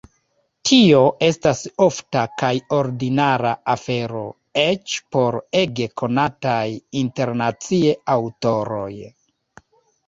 Tio estas ofta kaj ordinara afero, eĉ por ege konataj internacie aŭtoroj.